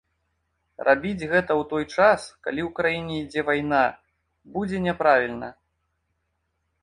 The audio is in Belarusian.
Рабіць гэта ў той час, калі ў краіне ідзе вайна, будзе няправільна.